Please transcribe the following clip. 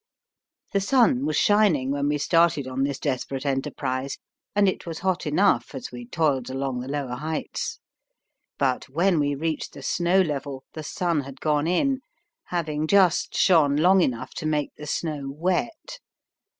The sun was shining when we started on this desperate enterprise, and it was hot enough as we toiled along the lower heights. But when we reached the snow level, the sun had gone in, having just shone long enough to make the snow wet.